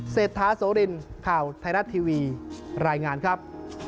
เซธาโซลินข่าวไทรัติวีรายงานครับ